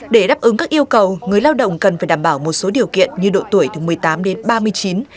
để đáp ứng các yêu cầu người lao động cần phải đảm bảo một số điều kiện như độ tuổi từ một mươi tám đến ba mươi chín